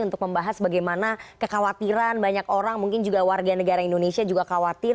untuk membahas bagaimana kekhawatiran banyak orang mungkin juga warga negara indonesia juga khawatir